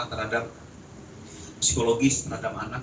terhadap psikologis terhadap anak